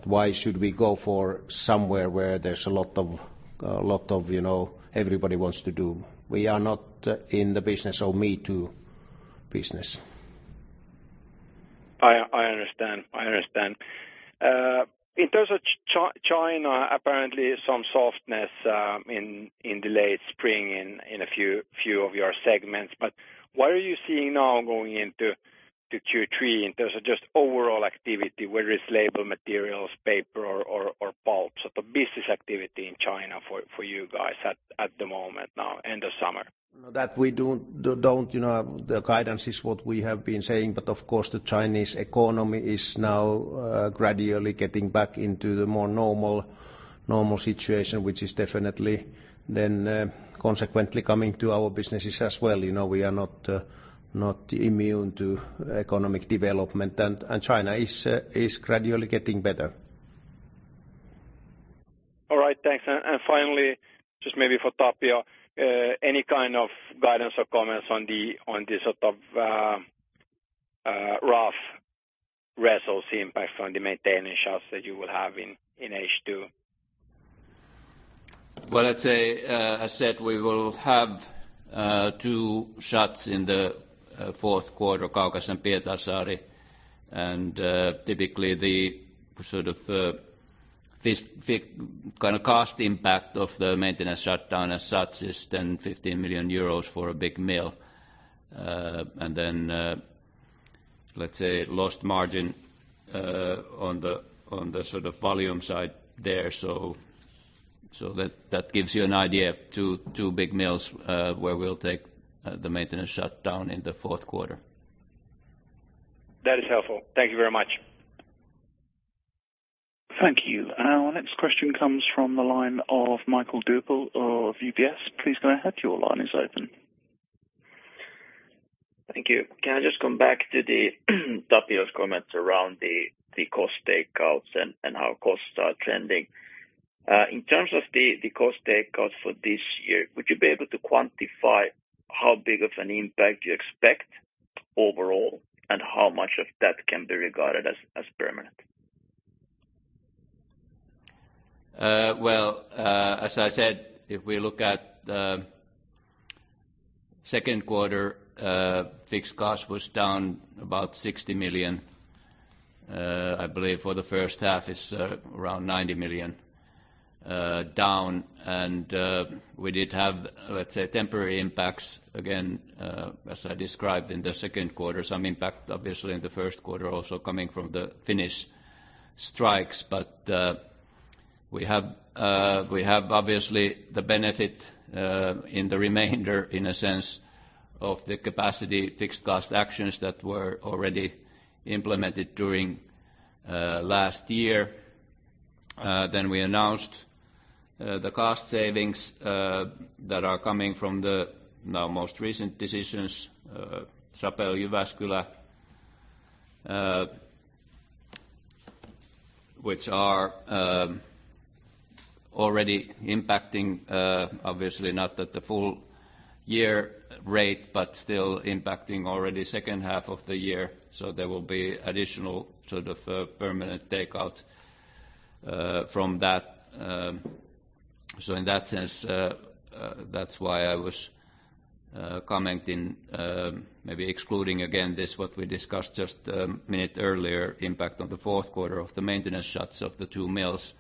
Why should we go for somewhere where everybody wants to do? We are not in the business of me-too business. I understand. In terms of China, apparently some softness in delayed spring in a few of your segments, but what are you seeing now going into Q3 in terms of just overall activity, whether it's label materials, paper or pulp, sort of business activity in China for you guys at the moment now, end of summer? The guidance is what we have been saying, but of course the Chinese economy is now gradually getting back into the more normal situation, which is definitely then consequently coming to our businesses as well. We are not immune to economic development, and China is gradually getting better. All right. Thanks. Finally, just maybe for Tapio, any kind of guidance or comments on the sort of rough result impact from the maintenance shuts that you will have in H2? Well, I said we will have two shuts in the fourth quarter, Kaukas and Pietarsaari. Typically, the sort of cost impact of the maintenance shutdown as such is 10 million-15 million euros for a big mill. Let's say lost margin on the volume side there. That gives you an idea of two big mills where we'll take the maintenance shutdown in the fourth quarter. That is helpful. Thank you very much. Thank you. Our next question comes from the line of Mikael Doepel of UBS. Please go ahead. Your line is open. Thank you. Can I just come back to Tapio's comments around the cost takeouts and how costs are trending. In terms of the cost takeouts for this year, would you be able to quantify how big of an impact you expect overall, and how much of that can be regarded as permanent? Well, as I said, if we look at the second quarter fixed cost was down about 60 million. I believe for the first half it's around 90 million down. We did have temporary impacts again as I described in the second quarter, some impact obviously in the first quarter also coming from the Finnish strikes. We have obviously the benefit in the remainder, in a sense of the capacity fixed cost actions that were already implemented during last year. We announced the cost savings that are coming from the now most recent decisions, Rauma, Jyväskylä which are already impacting obviously not at the full year rate but still impacting already second half of the year. There will be additional sort of permanent takeout from that. In that sense that's why I was commenting maybe excluding again this what we discussed just a minute earlier impact on the fourth quarter of the maintenance shuts of the two mills.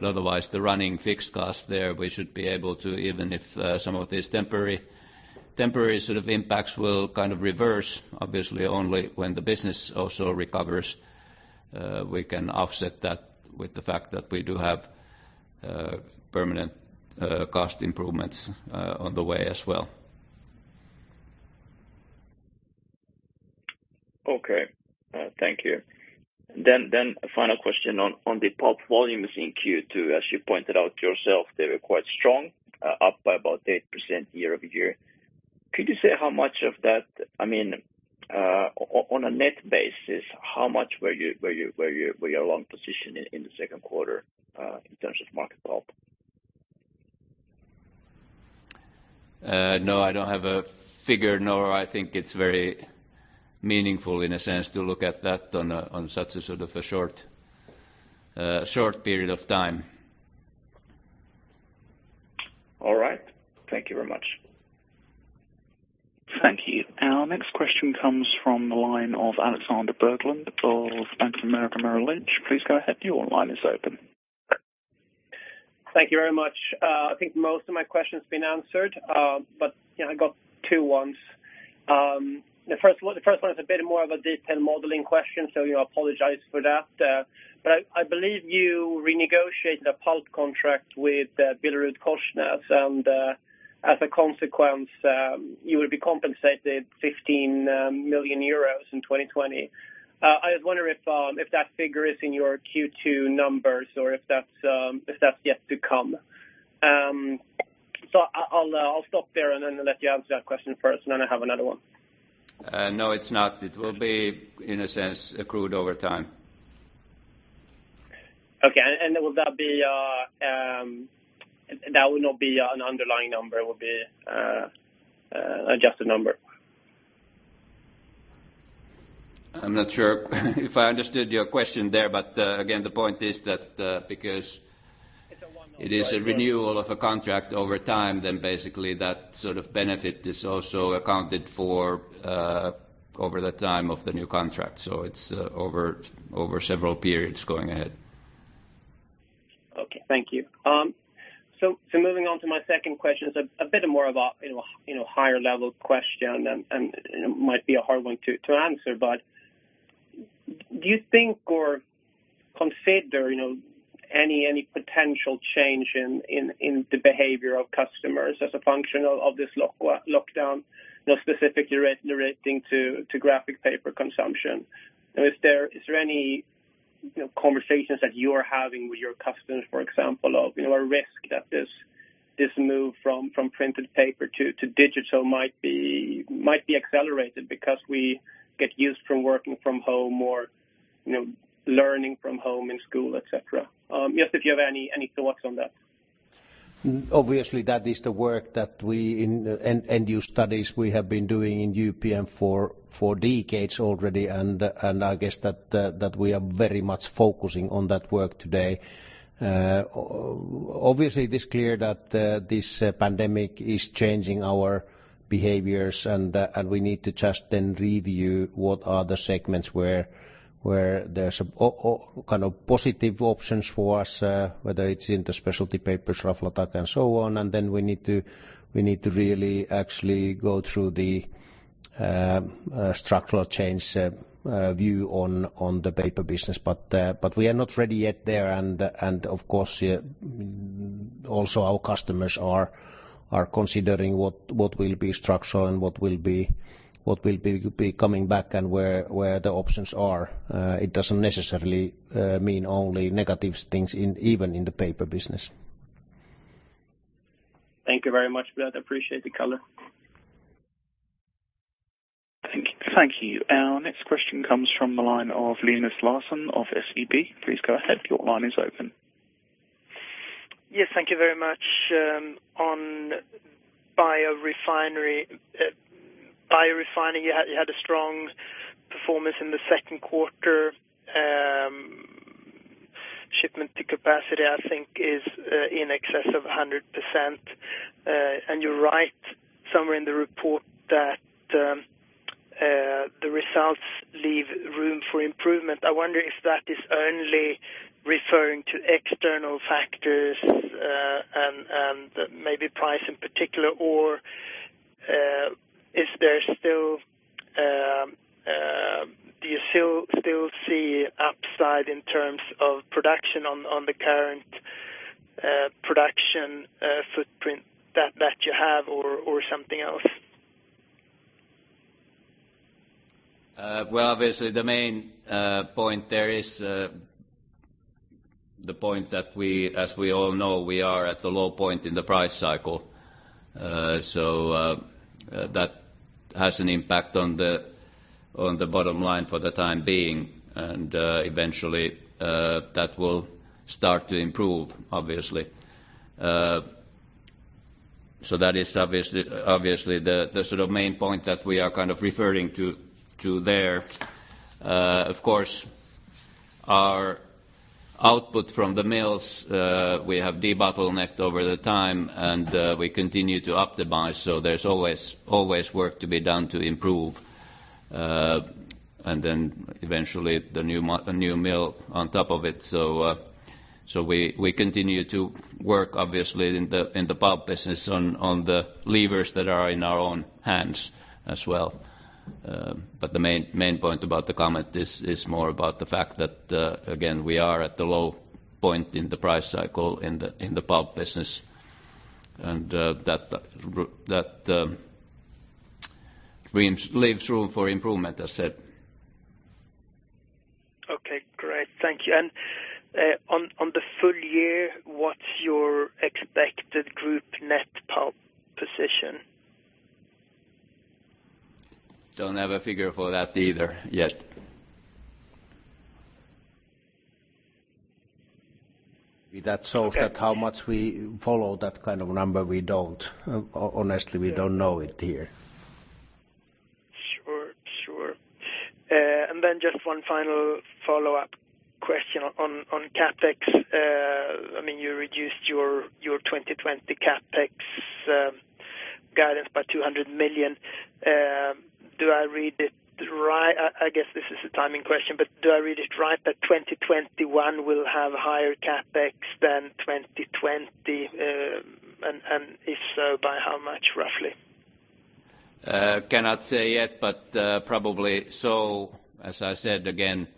Otherwise the running fixed cost there we should be able to even if some of these temporary sort of impacts will kind of reverse obviously only when the business also recovers we can offset that with the fact that we do have permanent cost improvements on the way as well. Okay. Thank you. A final question on the pulp volumes in Q2. As you pointed out yourself, they were quite strong, up by about 8% year-over-year. Could you say how much of that? On a net basis, how much were your long position in the second quarter in terms of market pulp? No, I don't have a figure nor I think it's very meaningful in a sense to look at that on such a sort of a short period of time. All right. Thank you very much. Thank you. Our next question comes from the line of Alexander Berglund of Bank of America Merrill Lynch. Please go ahead. Your line is open. Thank you very much. I think most of my question's been answered. I got two ones. The first one is a bit more of a detailed modeling question so I apologize for that. I believe you renegotiated a pulp contract with BillerudKorsnäs and as a consequence you will be compensated 15 million euros in 2020. I was wondering if that figure is in your Q2 numbers or if that's yet to come. I'll stop there and then let you answer that question first and then I have another one. No, it's not. It will be in a sense accrued over time. Okay. That would not be an underlying number it would be adjusted number? I'm not sure if I understood your question there but again the point is that. It's a one-off. it is a renewal of a contract over time then basically that sort of benefit is also accounted for over the time of the new contract. It's over several periods going ahead. Okay. Thank you. Moving on to my second question is a bit more of a higher level question and it might be a hard one to answer. Do you think or consider any potential change in the behavior of customers as a function of this lockdown more specifically relating to graphic paper consumption? Is there any conversations that you are having with your customers for example of a risk that this move from printed paper to digital might be accelerated because we get used from working from home or learning from home in school, etc.? Just if you have any thoughts on that. Obviously that is the work that we in end-use studies we have been doing in UPM for decades already and I guess that we are very much focusing on that work today. Obviously it is clear that this pandemic is changing our behaviors and we need to just then review what are the segments where there's kind of positive options for us whether it's in the Specialty Papers, Raflatac and so on. We need to really actually go through the structural change view on the paper business but we are not ready yet there, and of course, also our customers are considering what will be structural and what will be coming back and where the options are. It doesn't necessarily mean only negative things even in the paper business. Thank you very much for that. Appreciate the color. Thank you. Our next question comes from the line of Linus Larsson of SEB. Please go ahead. Your line is open. Yes, thank you very much. On Biorefining, you had a strong performance in the second quarter. Shipment to capacity, I think is in excess of 100% and you write somewhere in the report that the results leave room for improvement. I wonder if that is only referring to external factors and maybe price in particular, or do you still see upside in terms of production on the current production footprint that you have or something else? Well, obviously, the main point there is the point that as we all know, we are at the low point in the price cycle so that has an impact on the bottom line for the time being, and eventually, that will start to improve, obviously. That is obviously the sort of main point that we are kind of referring to there. Of course, our output from the mills, we have debottlenecked over the time, and we continue to optimize. There's always work to be done to improve, and then eventually the new mill on top of it. We continue to work obviously in the pulp business on the levers that are in our own hands as well. The main point about the comment is more about the fact that, again, we are at the low point in the price cycle in the pulp business, and that leaves room for improvement, as said. Okay, great. Thank you. On the full year, what's your expected group net pulp position? Don't have a figure for that either yet. That shows that how much we follow that kind of number, we don't. Honestly, we don't know it here. Sure. Then just one final follow-up question on CapEx. You reduced your 2020 CapEx guidance by EUR 200 million. I guess this is a timing question, but do I read it right that 2021 will have higher CapEx than 2020? If so, by how much roughly? Cannot say yet, but probably so. I said again,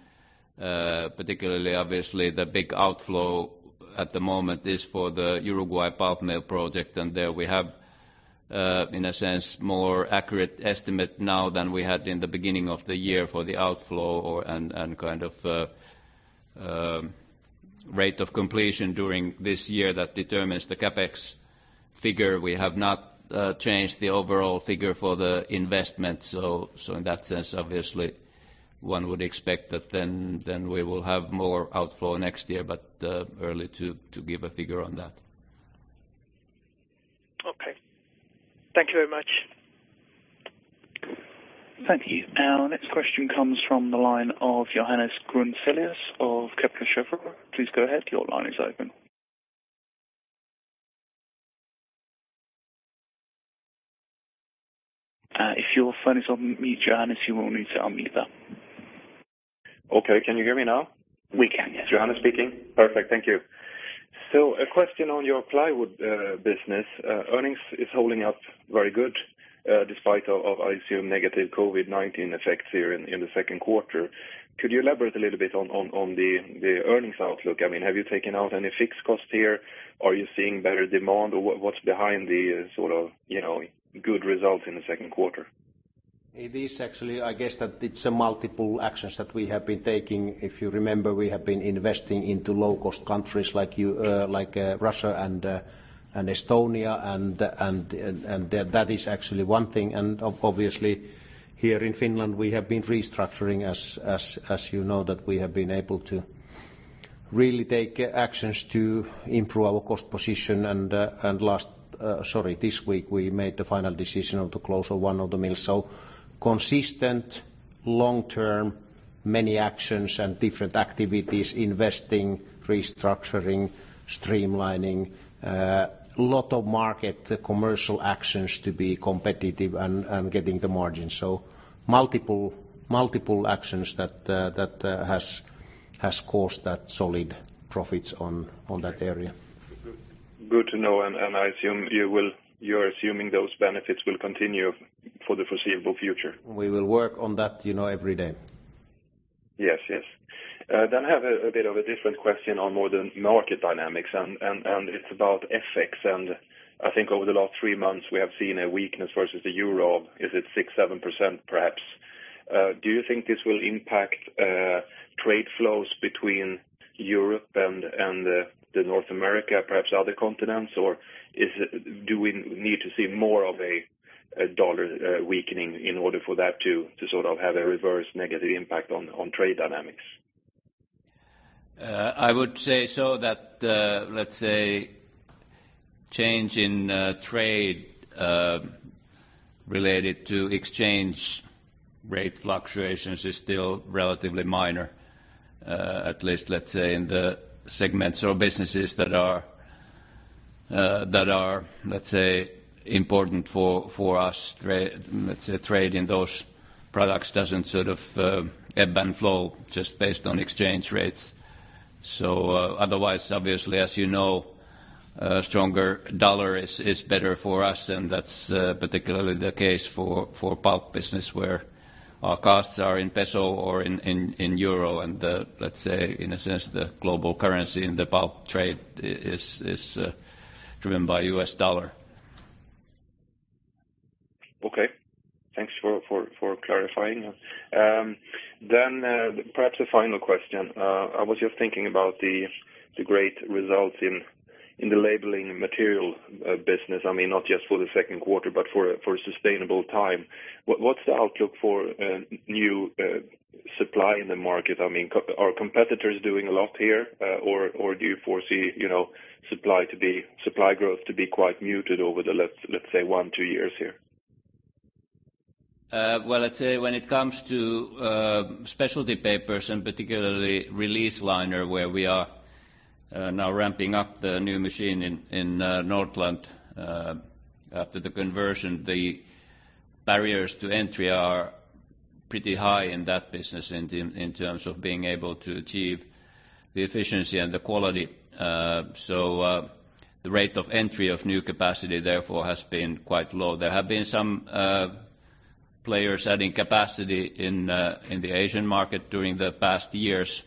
particularly obviously the big outflow at the moment is for the Uruguay pulp mill project, and there we have, in a sense, more accurate estimate now than we had in the beginning of the year for the outflow and rate of completion during this year that determines the CapEx figure. We have not changed the overall figure for the investment. In that sense, obviously, one would expect that then we will have more outflow next year, early to give a figure on that. Okay. Thank you very much. Thank you. Our next question comes from the line of Johannes Grunselius of Kepler Cheuvreux. Please go ahead. Your line is open. If your phone is on mute, Johannes, you will need to unmute that. Okay. Can you hear me now? We can, yes. Johannes speaking. Perfect. Thank you. A question on your Plywood business. Earnings is holding up very good despite of, I assume, negative COVID-19 effects here in the second quarter. Could you elaborate a little bit on the earnings outlook? Have you taken out any fixed costs here? Are you seeing better demand? What's behind the good results in the second quarter? It is actually, I guess that it's multiple actions that we have been taking. If you remember, we have been investing into low-cost countries like Russia and Estonia, and that is actually one thing. Obviously here in Finland, we have been restructuring, as you know, that we have been able to really take actions to improve our cost position. This week we made the final decision on the close of one of the mills. Consistent long-term, many actions and different activities, investing, restructuring, streamlining, lot of market commercial actions to be competitive and getting the margin so multiple actions that has caused that solid profits on that area. Good to know. You're assuming those benefits will continue for the foreseeable future? We will work on that every day. Yes. I have a bit of a different question on more the market dynamics, and it's about FX. I think over the last three months, we have seen a weakness versus the euro. Is it 6%, 7%, perhaps? Do you think this will impact trade flows between Europe and North America, perhaps other continents? Do we need to see more of a dollar weakening in order for that to sort of have a reverse negative impact on trade dynamics? I would say so that let's say change in trade related to exchange rate fluctuations is still relatively minor. At least, let's say in the segments or businesses that are important for us. Let's say trade in those products doesn't sort of ebb and flow just based on exchange rates. Otherwise, obviously, as you know, a stronger dollar is better for us, and that's particularly the case for pulp business where our costs are in peso or in euro. Let's say, in a sense, the global currency in the pulp trade is driven by U.S. dollar. Okay, thanks for clarifying. Perhaps a final question. I was just thinking about the great results in the labeling material business. I mean, not just for the second quarter, but for a sustainable time. What's the outlook for new supply in the market? I mean, are competitors doing a lot here or do you foresee supply growth to be quite muted over the, let's say one, two years here? Let's say when it comes to Specialty Papers and particularly release liner, where we are now ramping up the new machine in Nordland. After the conversion, the barriers to entry are pretty high in that business in terms of being able to achieve the efficiency and the quality. The rate of entry of new capacity therefore has been quite low. There have been some players adding capacity in the Asian market during the past years.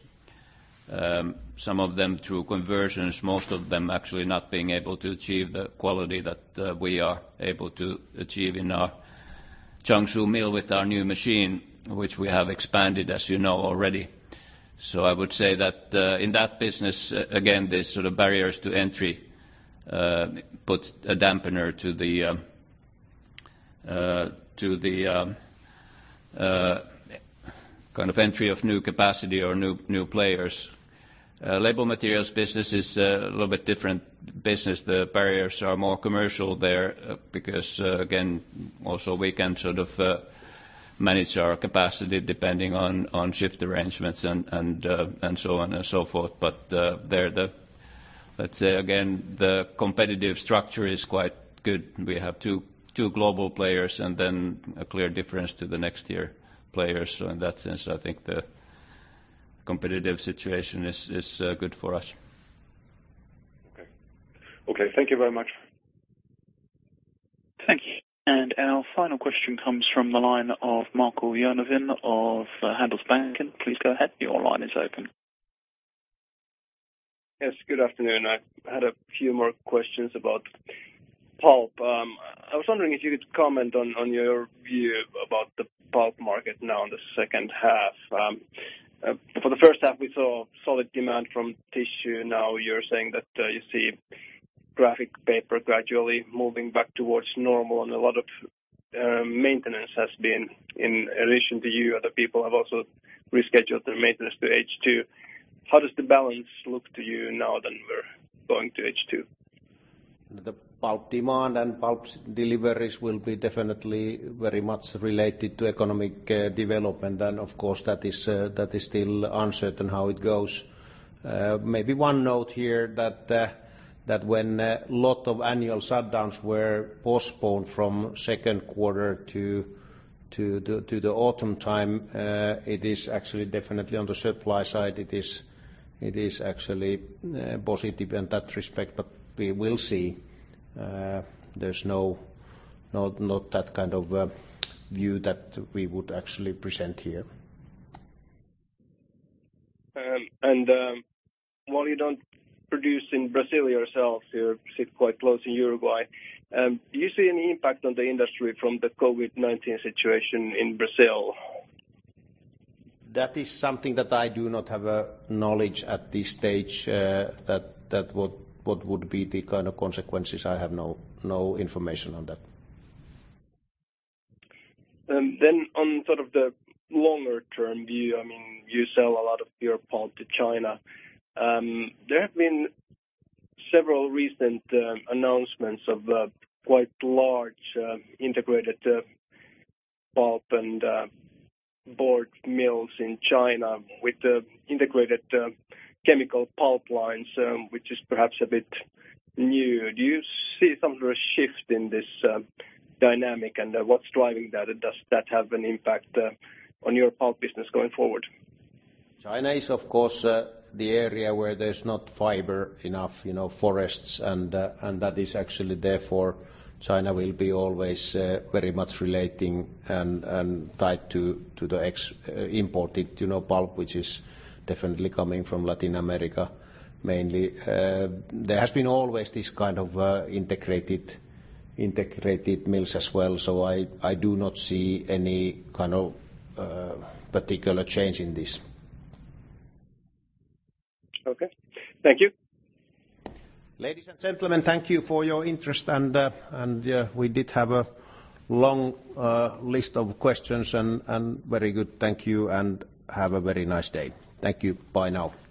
Some of them through conversions, most of them actually not being able to achieve the quality that we are able to achieve in our Changshu mill with our new machine, which we have expanded, as you know, already. I would say that in that business, again, the sort of barriers to entry put a dampener to the kind of entry of new capacity or new players. Label materials business is a little bit different business. The barriers are more commercial there because, again, also we can sort of manage our capacity depending on shift arrangements and so on and so forth. There, let's say again, the competitive structure is quite good. We have two global players and then a clear difference to the next tier players. In that sense, I think the competitive situation is good for us. Okay. Thank you very much. Thank you. Our final question comes from the line of Markku Järvinen of Handelsbanken. Please go ahead. Your line is open. Yes, good afternoon. I had a few more questions about pulp. I was wondering if you could comment on your view about the pulp market now in the second half. For the first half, we saw solid demand from tissue. Now you're saying that you see graphic paper gradually moving back towards normal and a lot of maintenance has been in relation to you. Other people have also rescheduled their maintenance to H2. How does the balance look to you now that we're going to H2? The pulp demand and pulp deliveries will be definitely very much related to economic development. Of course, that is still uncertain how it goes. Maybe one note here that when a lot of annual shutdowns were postponed from second quarter to the autumn time it is actually definitely on the supply side. It is actually positive in that respect. We will see. There is not that kind of view that we would actually present here. While you don't produce in Brazil yourself, you sit quite close in Uruguay. Do you see any impact on the industry from the COVID-19 situation in Brazil? That is something that I do not have a knowledge at this stage. That what would be the kind of consequences, I have no information on that. On sort of the longer-term view, you sell a lot of your pulp to China. There have been several recent announcements of quite large integrated pulp and board mills in China with the integrated chemical pulp lines, which is perhaps a bit new. Do you see some sort of shift in this dynamic and what's driving that? Does that have an impact on your pulp business going forward? China is, of course, the area where there's not fiber enough, forests, and that is actually therefore China will be always very much relating and tied to the imported pulp, which is definitely coming from Latin America mainly. There has been always this kind of integrated mills as well. I do not see any kind of particular change in this. Okay. Thank you. Ladies and gentlemen, thank you for your interest, and we did have a long list of questions and very good. Thank you and have a very nice day. Thank you. Bye now.